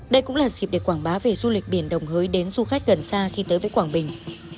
đây cũng là dịp để quảng bá về du lịch biển đồng hới đến du khách gần xa khi tới với quảng bình